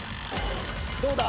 どうだ？